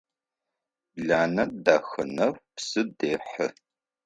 Бланэ Дахэнэф псы дехьы.